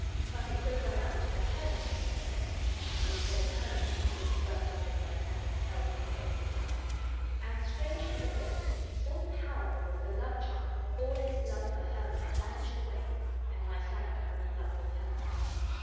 But it so fell out that Helena came that way, and, instead of Hermia, was the first object Lysander beheld when he opened his eyes; and strange to relate, so powerful was the love charm, all his love for Hermia vanished away and Lysander fell in love with Helena.